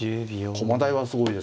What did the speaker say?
駒台はすごいですけどね。